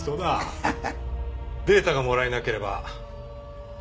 データがもらえなければ。